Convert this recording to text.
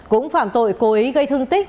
cũng phạm tội cô ấy gây thương tích